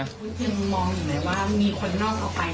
พุทธยังมองอยู่ไหนว่ามีคนนอกเข้าไป